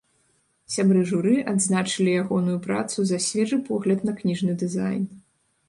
Сябры журы адзначылі ягоную працу за свежы погляд на кніжны дызайн.